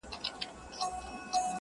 چي بد گرځي، بد به پرځي.